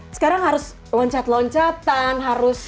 sekarang harus loncat loncatan harus